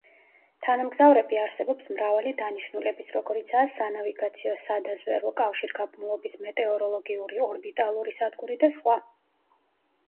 თანამგზავრები არსებობს მრავალი დანიშნულების როგორიცა: სანავიგაციო, სადაზვერვო, კავშირგაბმულობის, მეტეოროლოგიური, ორბიტალური სადგური და სხვა.